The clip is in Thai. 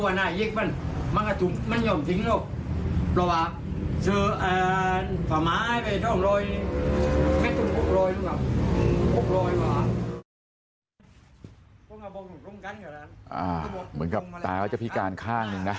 อ๋อเหมือนกับตายแล้วจะพิการข้างหนึ่งนะ